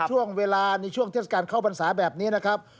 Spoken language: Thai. พรุ่งเวลาในช่วงเทศกรรมเข้าบรรษาแบบนี้นะครับ